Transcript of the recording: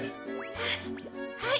はい。